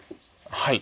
はい。